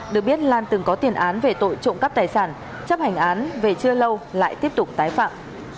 được biết lan từng có tiền án về tội trộm cắp tài sản chấp hành án về chưa lâu lại tiếp tục tái phạm